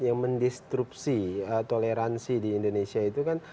yang mendistrupsi toleransi di indonesia itu kan